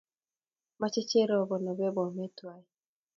Mache Cherobon ope Bomet twai